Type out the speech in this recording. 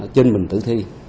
trên mình tự thi